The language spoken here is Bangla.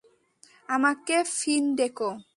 আমাকে ফিন ডেকো।